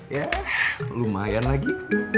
yah lumayan lagi